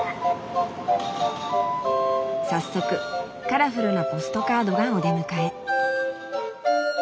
早速カラフルなポストカードがお出迎え。